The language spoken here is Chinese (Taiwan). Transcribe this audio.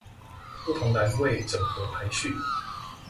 不同欄位整合排序